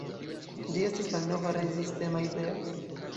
Ĝi estas malnova rezistema ideo?